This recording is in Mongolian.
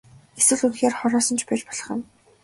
Эсвэл үнэхээр хороосон ч байж болох юм.